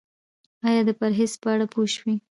ایا د پرهیز په اړه پوه شوئ؟